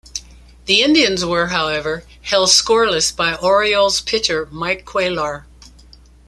The Indians were, however, held scoreless by Orioles pitcher Mike Cuellar.